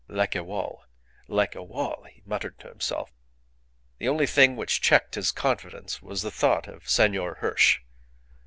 "Like a wall, like a wall," he muttered to himself. The only thing which checked his confidence was the thought of Senor Hirsch.